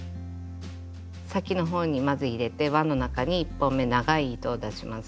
先の方にまず入れて輪の中に１本目長い糸を出します。